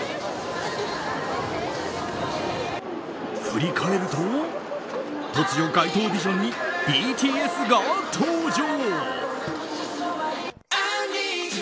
振り返ると、突如街頭ビジョンにＢＴＳが登場。